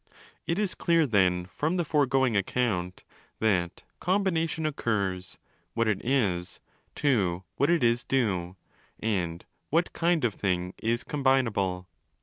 It is clear, then, from the foregoing account, that 'com bination' occurs, what it is, to what it is due, and what kind of thing is 'combinable'.